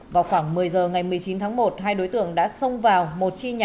vào khoảng một mươi giờ ngày một mươi chín tháng một hai đối tượng đã xông vào một chi nhà